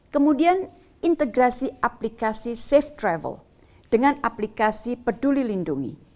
kemudian integrasi aplikasi safe travel dengan aplikasi peduli lindungi